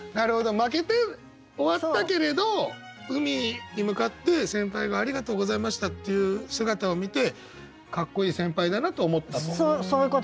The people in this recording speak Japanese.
負けて終わったけれど海に向かって先輩が「ありがとうございました」って言う姿を見てかっこいい先輩だなと思ったと。